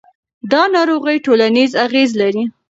دا ناروغي ټولنیز اغېز لري.